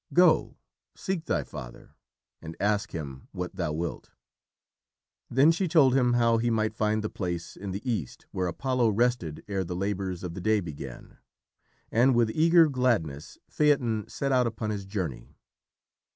Go, seek thy father, and ask him what thou wilt." Then she told him how he might find the place in the east where Apollo rested ere the labours of the day began, and with eager gladness Phaeton set out upon his journey.